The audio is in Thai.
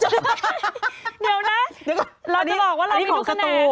เดี๋ยวนะเราจะหลอกว่าเรามีทุกคะแหน่ง